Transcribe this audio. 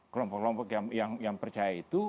kelompok kelompok yang percaya itu